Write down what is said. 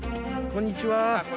こんにちは。